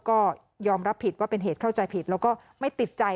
ก็ยอมรับผิดว่าเป็นเหตุเข้าใจผิดแล้วก็ไม่ติดใจ